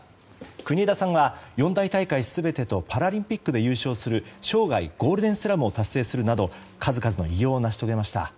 国枝さんは四大大会全てとパラリンピックで優勝する生涯ゴールデンスラムを達成するなど数々の偉業を成し遂げました。